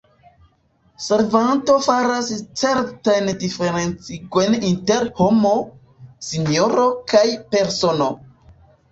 Servanto faras certajn diferencigojn inter « homo »,« sinjoro » kaj « persono ».